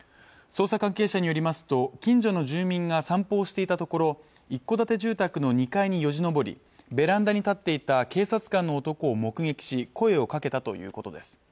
捜査関係者によりますと近所の住民が散歩をしていたところ一戸建て住宅の２階によじ登りベランダに立っていた警察官の男を目撃し声をかけたということです